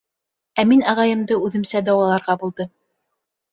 Ә мин ағайымды үҙемсә дауаларға булдым.